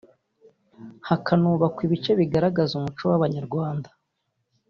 hakanubakwa ibice bigaragaza umuco w’Abanyarwanda